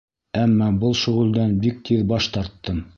Әммә был шөғөлдән бик тиҙ баш тарттым.